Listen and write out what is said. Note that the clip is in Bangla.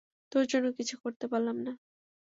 তোর জন্য কিছু করতে পারলাম না।